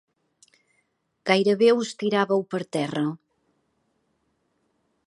Gairebé us tiràveu per terra.